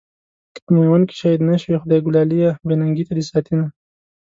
که په ميوند کې شهيد نه شوې، خدایږو لاليه بې ننګۍ ته دې ساتينه